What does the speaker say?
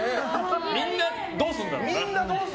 みんな、どうするんだろうな。